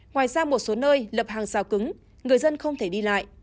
ngoài ra một số nơi lập hàng rào cứng người dân không thể đi lại